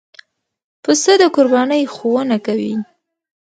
پسه د قربانۍ ښوونه کوي.